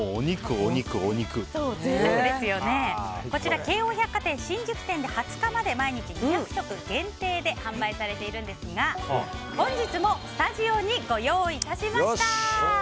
こちら、京王百貨店新宿店で２０日まで毎日２００食限定で販売されているんですが本日もスタジオにご用意致しました。